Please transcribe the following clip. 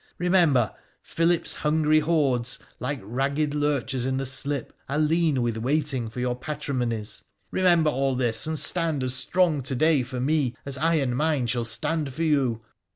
Eemember, Philip's hungry hordes, like ragged lurchers in the slip, are lean with waiting for your patrimonies. Eemember all this, and stand as strong to day for me as I and mine shall stand for you.